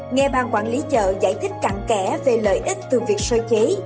nghe bang quản lý chợ giải thích cạn kẻ lợi ích từ việc sơ chế